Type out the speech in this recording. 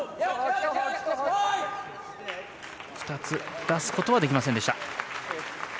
２つ出すことはできませんでした。